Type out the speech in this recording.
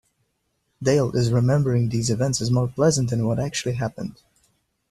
Dale is remembering these events as more pleasant than what actually happened.